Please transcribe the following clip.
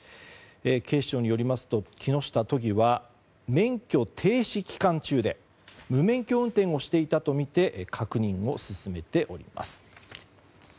警視庁によりますと木下都議は免許停止期間中で無免許運転をしていたとみて確認を進めております。